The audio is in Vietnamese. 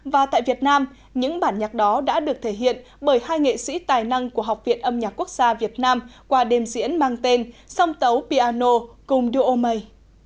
và tại việt nam những bản nhạc đó đã được thể hiện bởi hai nghệ sĩ tài năng của học viện âm nhạc quốc gia việt nam qua đêm diễn mang tên song tấu piano cùng duo may